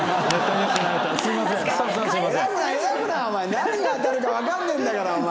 何が当たるかわかんねえんだからお前。